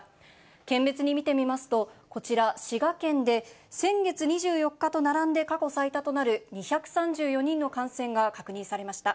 県別に見てみますと、こちら滋賀県で先月２４日と並んで過去最多となる２３４人の感染が確認されました。